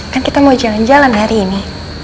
kan kita mau jalan jalan hari ini